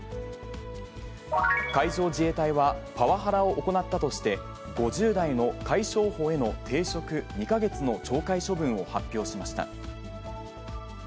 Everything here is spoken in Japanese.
海上自衛隊は、パワハラを行ったとして、５０代の海将補への停職２か月の懲戒処分を発表しました。